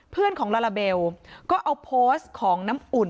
เพื่อนของลาลาเบลก็เอาโพสต์ของน้ำอุ่น